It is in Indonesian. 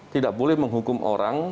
tidak boleh menghukum orang